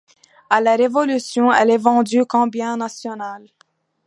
À la Révolution, elle est vendue comme bien national.